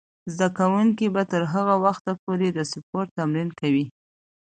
زده کوونکې به تر هغه وخته پورې د سپورت تمرین کوي.